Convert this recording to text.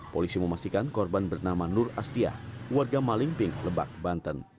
polisi memastikan korban bernama nur astia warga malingping lebak banten